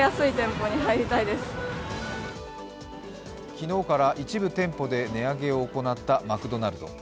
昨日から一部店舗で値上げを行ったマクドナルド。